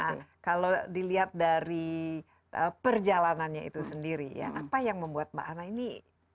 nah kalau dilihat dari perjalanannya itu sendiri ya apa yang membuat mbak ana ini